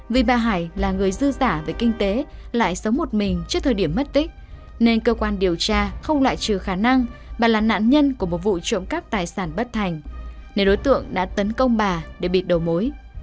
vì bà hải là người dư giả về kinh tế lại sống một mình trước thời điểm mất tích nên cơ quan điều tra không loại trừ khả năng bà là nạn nhân của một vụ trộm cắp tài sản bất thành nên đối tượng đã tấn công bà để bịt đầu mối